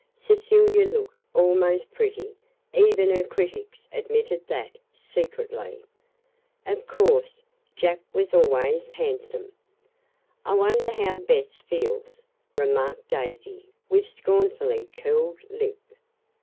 Cecilia looked almost pretty even her critics admitted that, secretly. Of course, Jack was always handsome. "I wonder how Bess feels," remarked Daisy with scornfully curled lip.